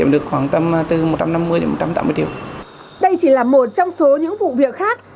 đây chỉ là một trong số những vụ việc khác